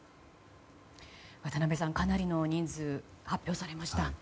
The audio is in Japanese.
渡辺さん、かなりの人数が発表されました。